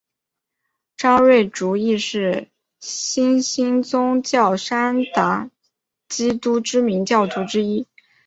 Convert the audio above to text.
张瑞竹亦是新兴宗教山达基教知名教徒之一。